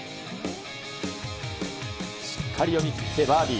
しっかり読み切ってバーディー。